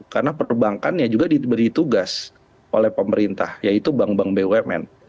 karena perbankannya juga diberi tugas oleh pemerintah yaitu bank bank bumn